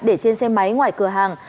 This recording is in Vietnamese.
để trên xe máy ngoài cửa hàng